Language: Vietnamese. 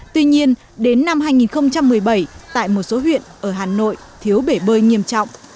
tuy nhiên đến năm hai nghìn một mươi bảy tại một số huyện ở hà nội thiếu bể bơi nghiêm trọng